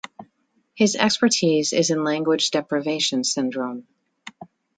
His expertise is in language deprivation syndrome.